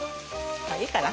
いいかな。